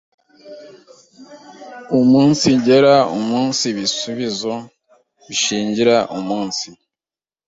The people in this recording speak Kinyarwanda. umunsigera umunsi bisubizo bishingira umunsi